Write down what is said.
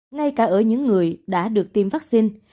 ngay cả ở những người đã được tiêm vaccine